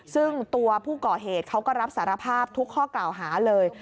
ซึ่งตัวผู้ก่อเหตุเขาก็รับสารภาพทุกข้อกล่าวหาเลย